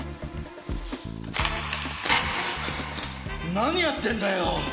何やってんだよ！